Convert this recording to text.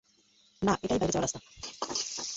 না, এটাই বাইরে যাওয়ার রাস্তা।